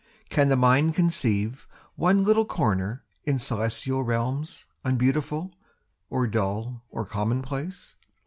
Can the mind conceive One little corner in celestial realms Unbeautiful, or dull or commonplace?